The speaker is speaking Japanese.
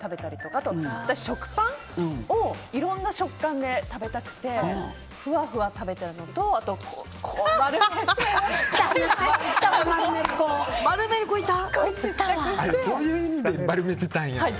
あと、食パンをいろいろな食感で食べたくてふわふわ食べるのとあと、丸めてすごい小さくして。